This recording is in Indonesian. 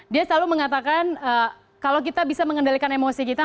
dia selalu mengatakan kalau kita bisa mengendalikan emosi kita